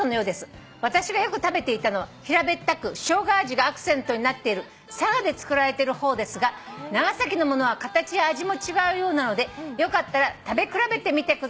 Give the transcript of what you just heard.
「私がよく食べていたのは平べったくショウガ味がアクセントになっている佐賀で作られてる方ですが長崎のものは形や味も違うようなのでよかったら食べ比べてみてください」